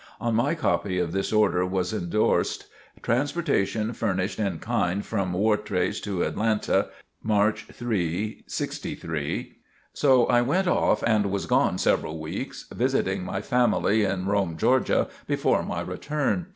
On my copy of this order was endorsed "Transportation furnished in kind from Wartrace to Atlanta, Mch. 3, '63." So I went off and was gone several weeks, visiting my family in Rome, Georgia, before my return.